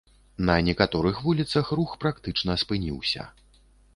На некаторых вуліцах рух практычна спыніўся.